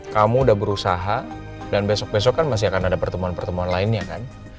kamu udah berusaha dan besok besok kan masih akan ada pertemuan pertemuan lainnya kan